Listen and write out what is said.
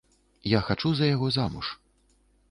Я хачу за яго замуж.